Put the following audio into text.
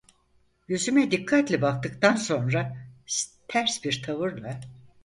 Yüzüme dikkatle baktıktan sonra, ters bir tavırla: